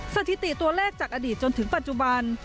สถิติตัวเลขจากอดีตจนถึงปัจจุบัน